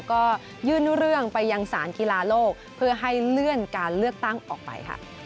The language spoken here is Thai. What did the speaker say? ก็ยื่นเรื่องไปยังสารกีฬาโลกเพื่อให้เลื่อนการเลือกตั้งออกไป